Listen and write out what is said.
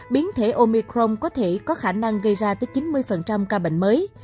biến thể omicron có thể có khả năng gây ra tới chín mươi ca bệnh mới